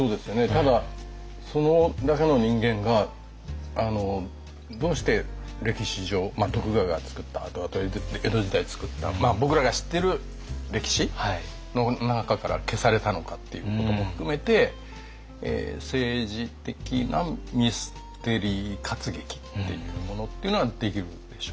ただそれだけの人間がどうして歴史上徳川が作った後々江戸時代作った僕らが知ってる歴史の中から消されたのかっていうことも含めて政治的なミステリー活劇っていうものっていうのはできるでしょうね。